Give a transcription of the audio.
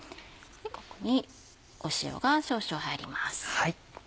ここに塩が少々入ります。